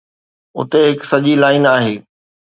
اتي هڪ سڄي لائن آهي.